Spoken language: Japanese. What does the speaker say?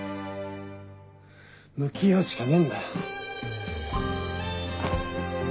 向き合うしかねえんだよ。